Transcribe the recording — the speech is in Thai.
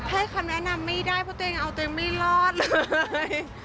ให้คำแนะนำไม่ได้เพราะตัวเองเอาตัวเองไม่รอดเลย